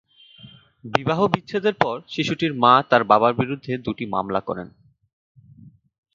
বিবাহবিচ্ছেদের পর শিশুটির মা তার বাবার বিরুদ্ধে দুটি মামলা করেন।